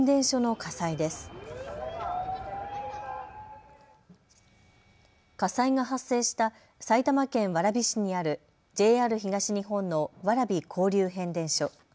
火災が発生した埼玉県蕨市にあるＪＲ東日本の蕨交流変電所。